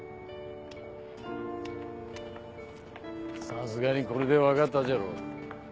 さすがにこれで分かったじゃろ。